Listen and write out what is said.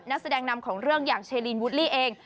นักแสดงนำของเรื่องอย่างเชลินวูดลี่เอง